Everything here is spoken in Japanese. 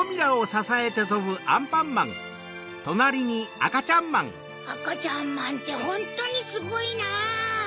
あかちゃんまんってホントにすごいな。